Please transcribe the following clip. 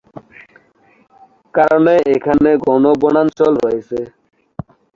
কারণে এখানে ঘন বনাঞ্চল রয়েছে।